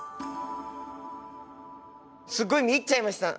すっごい見入っちゃいました！